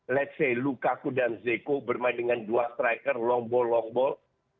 let's say lukaku dan zeko bermain dengan dua striker long ball long ball